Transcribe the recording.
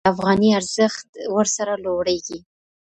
د افغانۍ ارزښت ورسره لوړېږي.